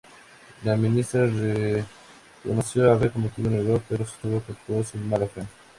La ministra reconoció haber cometido un error, pero sostuvo que actuó sin mala fe.